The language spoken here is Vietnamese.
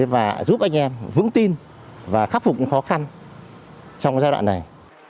và giúp anh em vững tin và khắc phục những khó khăn trong giai đoạn này